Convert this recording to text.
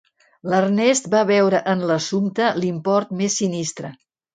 L'Ernest va veure en l'assumpte l'import més sinistre.